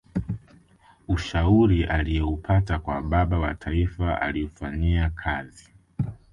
ushauri aliyoupata kwa baba wa taifa aliufanyia kazi